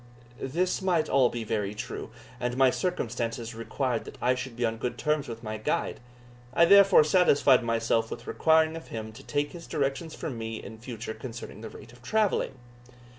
This might be all very true, and my circumstances required that I should be on good terms with my guide; I therefore satisfied myself with requiring of him to take his directions from me in future concerning the rate of travelling.